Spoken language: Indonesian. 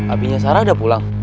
abinya sarah udah pulang